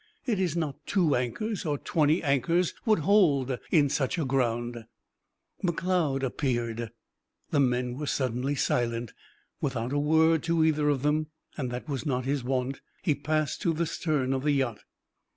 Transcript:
It is not two anchors or twenty anchors would hold in such a ground." Macleod appeared: the men were suddenly silent. Without a word to either of them and that was not his wont he passed to the stern of the yacht.